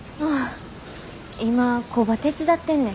今工場手伝ってんねん。